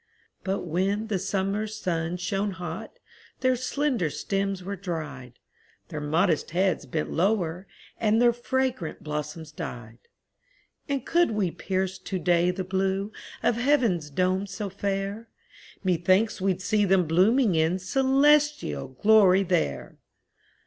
But when the summer sun shone hot, Their slender stems were dried; Their modest heads bent lower, and Their fragrant blossoms died; And could we pierce to day the blue Of heaven's dome so fair, Methinks we'd see them blooming in Celestial glory there!